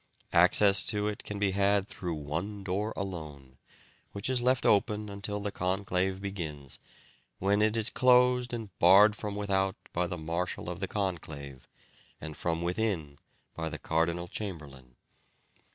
Access to it can be had through one door alone, which is left open until the conclave begins, when it is closed and barred from without by the Marshal of the Conclave, and from within by the Cardinal Chamberlain.